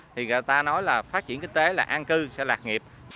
thì người ta nói là phát triển kinh tế là an cư sẽ lạc nghiệp